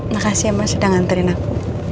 makasih ya mas udah nganterin aku